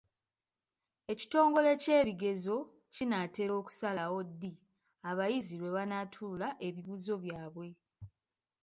Ekitongole ky'ebigezo kinaatera okusalawo ddi abayizi lwe banaatuula ebibuuzo byabwe.